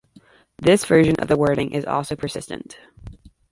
This version of the wording is also persistent.